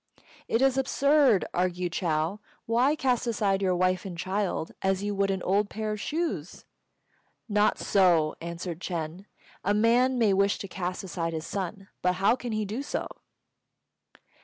"It is absurd!" argued Chou. "Why cast aside your wife and child as you would an old pair of shoes?" "Not so," answered Ch'êng; "a man may wish to cast aside his son, but how can he do so?"